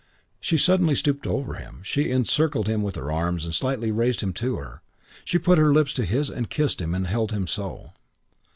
She suddenly stooped over him. She encircled him with her arms and slightly raised him to her. She put her lips to his and kissed him and held him so.